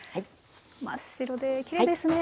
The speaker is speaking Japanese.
真っ白できれいですね。